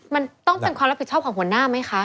มันต้องเป็นความรับผิดชอบของหัวหน้าไหมคะ